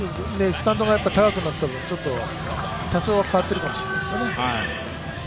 スタンドが高くなっている分、多少は変わっているかもしれないですよね。